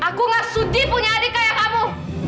aku gak sudi punya adik kayak kamu